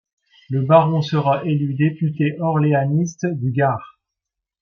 Le baron sera élu député orléaniste du Gard.